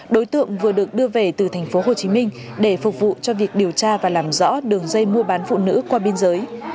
đối tượng vừa được đưa về từ thành phố hồ chí minh để phục vụ cho việc điều tra và làm rõ đường dây mua bán phụ nữ qua biên giới